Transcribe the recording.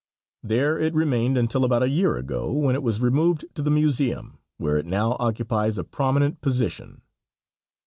There it remained until about a year ago, when it was removed to the museum, where it now occupies a prominent position.